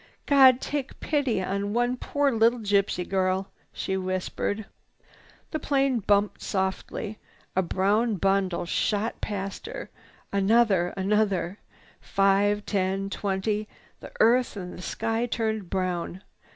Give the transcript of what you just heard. "God take pity on one poor little gypsy girl!" she whispered. The plane bumped softly. A brown bundle shot past her, another and another, five, ten, twenty. The earth and sky turned brown.